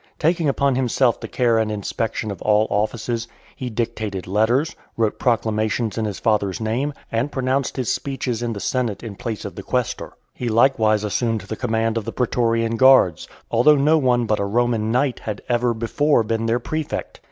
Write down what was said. Taking upon himself the care and inspection of all offices, he dictated letters, wrote proclamations in his father's name, and pronounced his speeches in the senate in place of the quaestor. He likewise assumed the command of the pretorian guards, although no one but a Roman knight had ever before been their prefect.